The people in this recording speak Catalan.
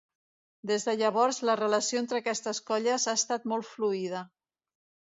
Des de llavors, la relació entre aquestes colles ha estat molt fluida.